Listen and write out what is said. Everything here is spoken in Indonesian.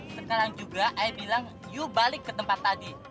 sekarang juga i bilang you balik ke tempat tadi